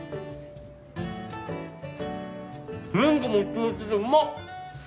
麺がもちもちでうまっ！